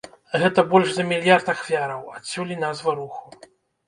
Гэта больш за мільярд ахвяраў, адсюль і назва руху.